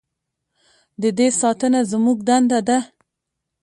د دې ساتنه زموږ دنده ده؟